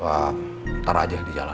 coba ya om temen temen apa